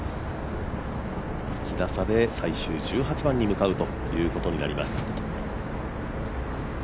１打差で最終１８番に向かうということになります。